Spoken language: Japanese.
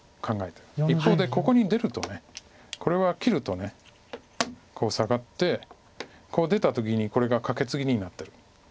一方でここに出るとこれは切るとサガって出た時にこれがカケツギになってる。